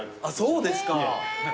そうですか。